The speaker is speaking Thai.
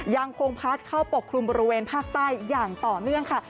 ยังคงพัดเข้าปกคลุมบริเวณภาคใต้อย่างต่อเนื่องค่ะ